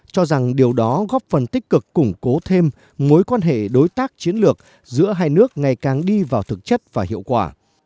cho rằng điều đó góp phần tích cực củng cố thêm mối quan hệ đối tác chiến lược giữa hai nước ngày càng đi vào thực chất và hiệu quả